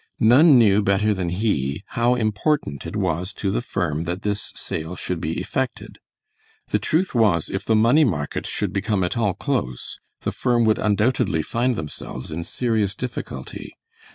None knew better than he how important it was to the firm that this sale should be effected. The truth was if the money market should become at all close the firm would undoubtedly find themselves in serious difficulty.